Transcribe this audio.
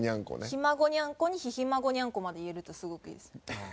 「ひまごにゃんこ」に「ひひまごにゃんこ」まで言えるとすごくいいですね。